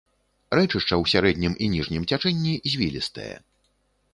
Рэчышча ў сярэднім і ніжнім цячэнні звілістае.